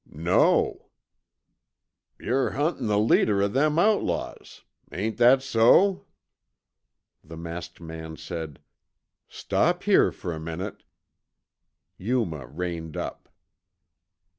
"No." "Yer huntin' the leader o' them outlaws. Ain't that so?" The masked man said, "Stop here for a minute." Yuma reined up.